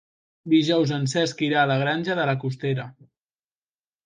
Dijous en Cesc irà a la Granja de la Costera.